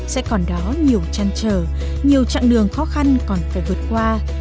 sẽ còn đó nhiều trăn trở nhiều chặng đường khó khăn còn phải vượt qua